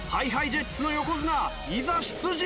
ＨｉＨｉＪｅｔｓ の横綱いざ出陣！